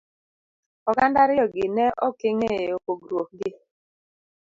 Oganda ariyo gi ne okeng'eyo pogruok gi.